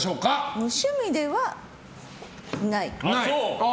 無趣味ではない。